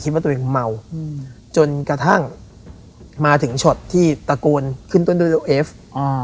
คิดว่าตัวเองเมาจนกระทั่งมาถึงช็อตที่ตะโกนขึ้นต้นด้วยโอเอฟ